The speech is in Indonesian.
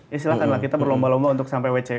ya silahkan lah kita berlomba lomba untuk sampai wcu